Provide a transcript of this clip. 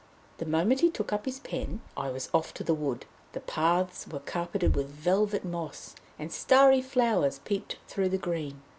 The moment he took up his pen I was off to the wood. The paths were carpeted with velvet moss, and starry flowers peeped through the green.